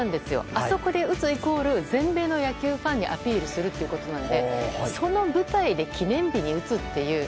あそこで打つイコール全米の野球ファンにアピールするということなのでその舞台で記念日に打つという。